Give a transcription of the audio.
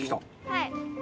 はい。